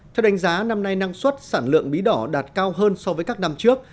theo đánh giá năm nay năng suất sản lượng bí đỏ đạt cao hơn so với các năm trước